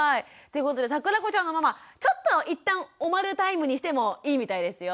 ということでさくらこちゃんのママちょっと一旦おまるタイムにしてもいいみたいですよ。